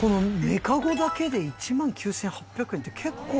目籠だけで１万９８００円って結構。